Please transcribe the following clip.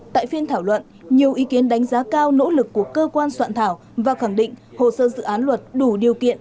tại phiên thảo luận nhiều ý kiến đánh giá cao nỗ lực của cơ quan soạn thảo và khẳng định hồ sơ dự án luật đủ điều kiện